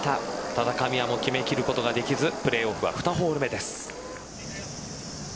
ただ神谷も決めることができずプレーオフは２ホール目です。